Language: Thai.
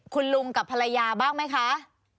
คุณลุงกับภรรยาบ้างไหมคะ